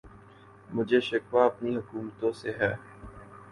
مجھے شکوہ اپنی حکومتوں سے ہے